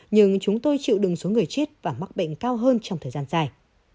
nhưng chúng tôi chịu đựng số người chết và mắc bệnh cao hơn trong thời gian dài